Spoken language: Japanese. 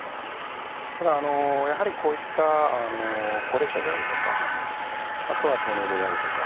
ただ、やはりこういった高齢者であるとかあとは糖尿病であるとか。